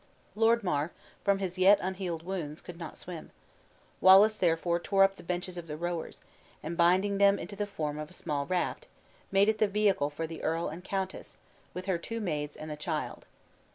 Lord Mar, from his yet unhealed wounds, could not swim; Wallace therefore tore up the benches of the rowers, and binding them into the form of a small raft, made it the vehicle for the earl and countess, with her two maids and the child.